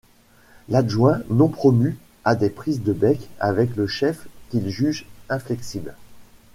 L'adjoint, non promu, a des prises de bec avec ce chef qu'il juge inflexible.